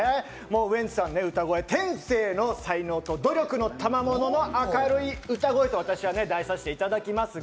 ウエンツさんね、歌声、天性の才能と努力のたまものの明るい歌声と題させていただきますが。